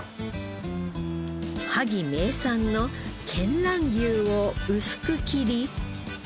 萩名産の見蘭牛を薄く切り。